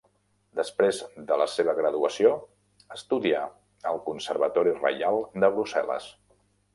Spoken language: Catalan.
Després de la seva graduació estudià al Conservatori reial de Brussel·les.